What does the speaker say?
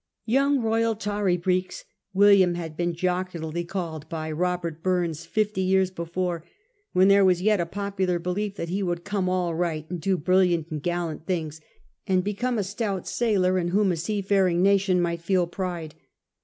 'Young royal tarry breeks,' William had been jocularly called by Eobert Bums fifty years before, when there was yet a popular belief that he would come all right and do brilliant and gallant things, and become a stout sailor in whom a seafaring nation might feel pride.